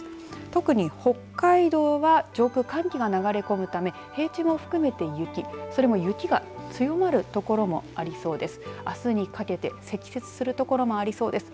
特に北海道は上空、寒気が流れ込むため平地も含めて雪それも雪が強まる所もありそうです。